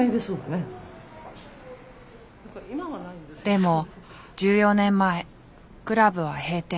でも１４年前クラブは閉店。